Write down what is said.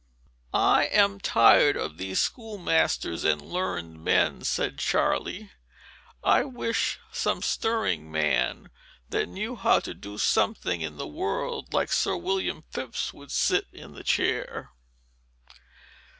"I am tired of these school masters and learned men," said Charley. "I wish some stirring man, that knew how to do something in the world, like Sir William Phips, would set in the chair."